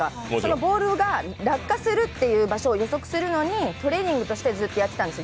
ボールが落下するっていう場所を予測するのにトレーニングとしてやってたんですよ